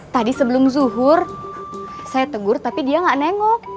tadi sebelum zuhur saya tegur tapi dia gak nengok